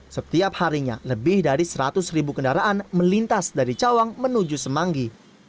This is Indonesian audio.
setiap harinya lebih dari seratus ribu kendaraan melintas dari cawang menuju semanggi